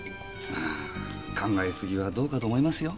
考え過ぎはどうかと思いますよ。